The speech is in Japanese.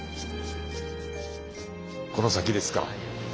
この先ですか。